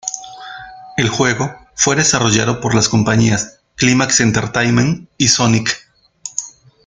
El juego fue desarrollado por las compañías Climax Entertaiment y Sonic!